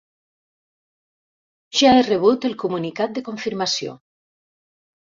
Ja he rebut el comunicat de confirmació.